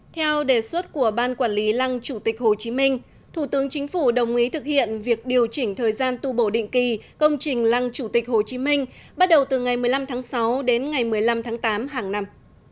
theo đề xuất của ban quản lý lăng chủ tịch hồ chí minh thủ tướng chính phủ đồng ý thực hiện việc điều chỉnh thời gian tu bổ định kỳ công trình lăng chủ tịch hồ chí minh bắt đầu từ ngày một mươi năm tháng sáu đến ngày một mươi năm tháng tám hàng năm